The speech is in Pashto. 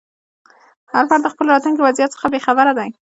هر فرد د خپل راتلونکي وضعیت څخه بې خبره دی.